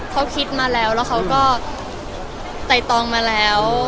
เขาคิดมาแล้วแล้วเขาก็ไต่ตองมาแล้ว